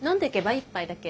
一杯だけ。